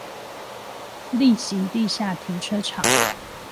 力行地下停車場